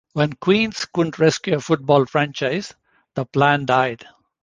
When Queens couldn't secure a football franchise, the plan died.